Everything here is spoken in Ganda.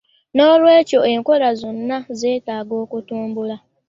N'olwekyo enkola zonna zeetaaga okutumbulwa